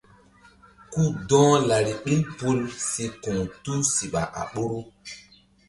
Ku dɔ̧h lari ɓil pul si ku̧h tusiɓa a ɓoru.